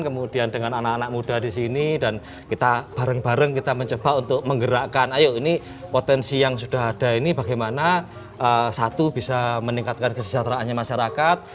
kemudian dengan anak anak muda di sini dan kita bareng bareng kita mencoba untuk menggerakkan ayo ini potensi yang sudah ada ini bagaimana satu bisa meningkatkan kesejahteraannya masyarakat